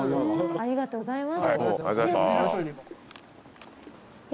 ありがとうございます。